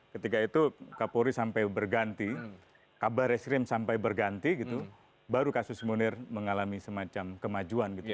ketika itu kapolri sampai berganti kabar reskrim sampai berganti gitu baru kasus munir mengalami semacam kemajuan gitu